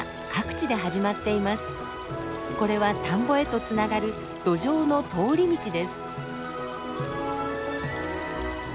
これは田んぼへとつながるドジョウの通り道です。